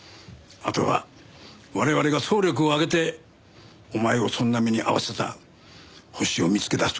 あとは我々が総力を挙げてお前をそんな目に遭わせたホシを見つけ出す。